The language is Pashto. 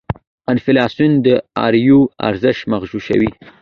انفلاسیون داراییو ارزش مغشوشوي.